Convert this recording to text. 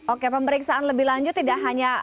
oke pemeriksaan lebih lanjut tidak hanya